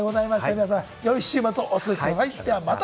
皆さん、よい週末をお過ごしください。